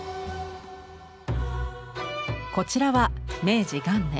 こちらは明治元年